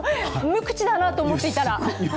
無口だなと思っていたら。